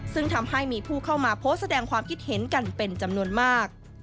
ซึ่งทำให้มีผู้เข้ามาโพสต์แสดงความคิดเห็นกันเป็นจำนวนมาก